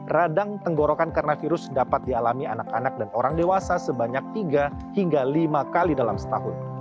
radang tenggorokan karena virus dapat dialami anak anak dan orang dewasa sebanyak tiga hingga lima kali dalam setahun